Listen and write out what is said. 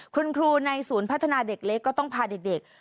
คุณครูในศูนย์พัฒนาเด็กเล็กก็ต้องพาเด็ก